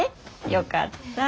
よかった。